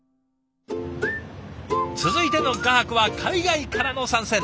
続いての画伯は海外からの参戦。